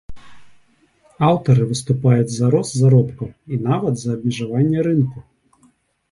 Аўтары выступаюць за рост заробкаў, і нават за абмежаванне рынку.